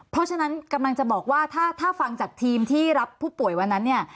เพราะฉะนั้นกำลังจะบอกว่าถ้าฟังจากทีมที่รับผู้ป่วยวันนั้นเนี่ย